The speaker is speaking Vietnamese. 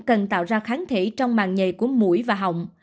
cần tạo ra kháng thể trong màn nhầy của mũi và hỏng